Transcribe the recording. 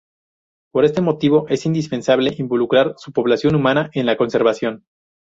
Por este motivo, es indispensable involucrar su población humana en la conservación.